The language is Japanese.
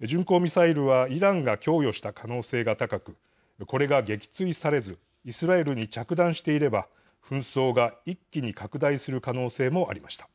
巡航ミサイルはイランが供与した可能性が高くこれが撃墜されずイスラエルに着弾していれば紛争が一気に拡大する可能性もありました。